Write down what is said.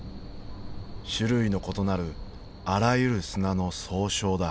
種類の異なるあらゆる砂の総称だ。